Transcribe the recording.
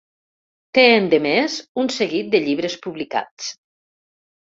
Té, endemés, un seguit de llibres publicats.